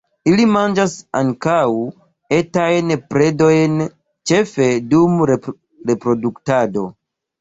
Ili manĝas ankaŭ etajn predojn, ĉefe dum reproduktado.